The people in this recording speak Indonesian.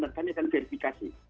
dan kami akan verifikasi